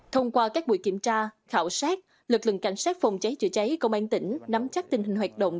thông qua các buổi kiểm tra khảo sát lực lượng cảnh sát phòng cháy chữa cháy công an tỉnh nắm chắc tình hình hoạt động